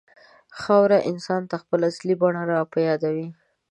خاوره انسان ته خپله اصلي بڼه راپه یادوي.